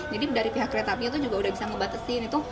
jadi dari pihak kereta api itu juga sudah bisa membatasi